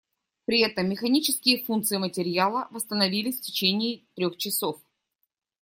При этом механические функции материала восстановились в течение трёх часов.